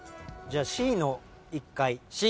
じゃあＣの１階。